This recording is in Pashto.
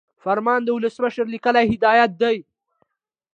فرمان د ولسمشر لیکلی هدایت دی.